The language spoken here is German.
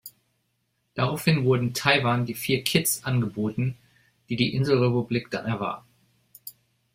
Daraufhin wurden Taiwan die vier "Kidds" angeboten, die die Inselrepublik dann erwarb.